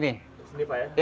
di sini pak ya